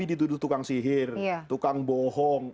dituduh tukang sihir tukang bohong